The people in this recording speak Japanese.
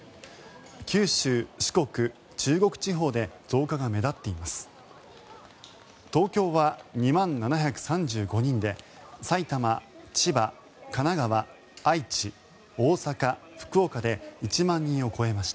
九州、四国、中国地方で増加が目立っています。